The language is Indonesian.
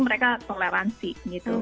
mereka toleransi gitu